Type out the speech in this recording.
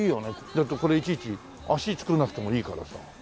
だってこれいちいち脚作らなくてもいいからさ。